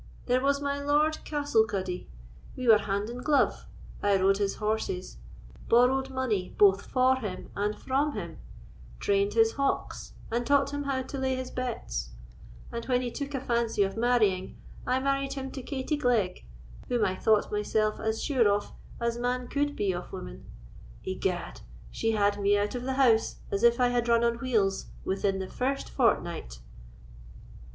"There was my Lord Castle Cuddy—we were hand and glove: I rode his horses, borrowed money both for him and from him, trained his hawks, and taught him how to lay his bets; and when he took a fancy of marrying, I married him to Katie Glegg, whom I thought myself as sure of as man could be of woman. Egad, she had me out of the house, as if I had run on wheels, within the first fortnight!"